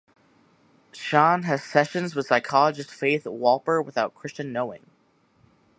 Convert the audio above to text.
Sean has sessions with psychologist Faith Wolper without Christian knowing.